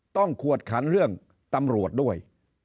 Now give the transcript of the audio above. ๓ต้องควดขันเรื่องตำรวจด้วย